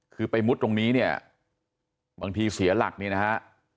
คือไปมุดตรงนี้เนี่ยบางทีเสียหลักนี่นะฮะ